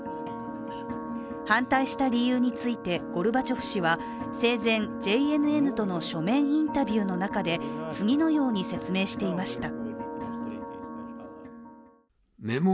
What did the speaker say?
反対した理由についてゴルバチョフ氏は生前、ＪＮＮとの書面インタビューの中で次のように説明していました。